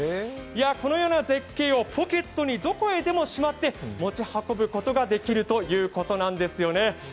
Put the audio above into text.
このような絶景をポケットにどこへでもしまって持ち運ぶことができるということなんですよね。